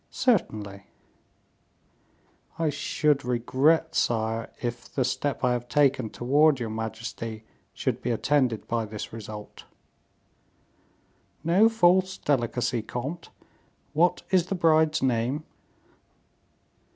"Certainly." "I should regret, sire, if the step I have taken towards your majesty should be attended by this result." "No false delicacy, comte; what is the bride's name?"